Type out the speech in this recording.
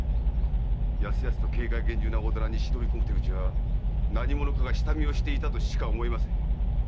やすやすと警戒厳重な大店に忍び込む手口は何者かが下見をしていたとしか思えません。